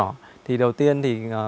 đầu tiên là dâu tây tươi